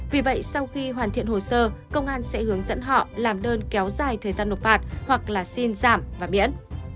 vì vậy sau khi hoàn thiện hồ sơ công an sẽ hướng dẫn họ làm đơn kéo dài thời gian nộp phạt hoặc là xin giảm và miễn